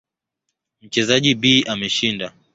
Mchezaji B ameshinda.